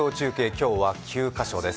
今日は９カ所です。